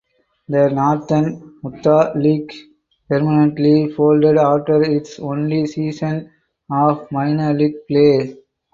The Northern Utah League permanently folded after its only season of minor league play.